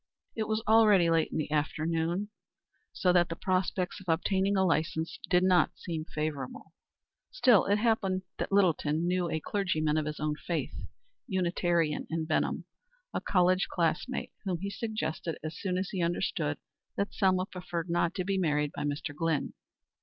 It was already late in the afternoon, so that the prospects of obtaining a license did not seem favorable. Still it happened that Littleton knew a clergyman of his own faith Unitarian in Benham, a college classmate, whom he suggested as soon as he understood that Selma preferred not to be married by Mr. Glynn.